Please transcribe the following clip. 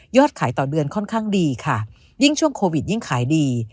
ขายต่อเดือนค่อนข้างดีค่ะยิ่งช่วงโควิดยิ่งขายดี